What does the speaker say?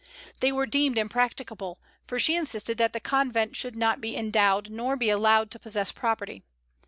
They were deemed impracticable, for she insisted that the convent should not be endowed, nor be allowed to possess property.